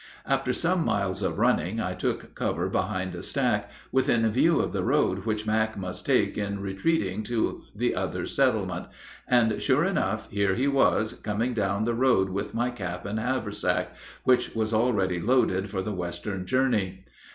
After some miles of running I took cover behind a stack, within view of the road which Mack must take in retreating to the other settlement; and sure enough here he was, coming down the road with my cap and haversack, which was already loaded for the western journey.